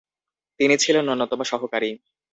তিনি ছিলেন অন্যতম সহকারী।